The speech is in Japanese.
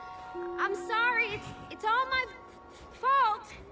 あっ！